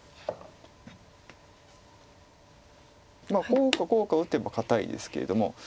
こうかこうか打てば堅いですけれども。